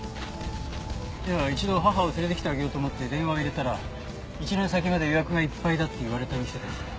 いやあ一度母を連れてきてあげようと思って電話を入れたら１年先まで予約がいっぱいだって言われた店ですね。